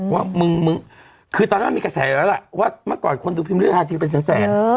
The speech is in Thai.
ว่ามึงคือตอนนั้นมีกระแสแล้วล่ะว่าเมื่อก่อนคนดูพิมพ์เรืออาจจะเป็นแสน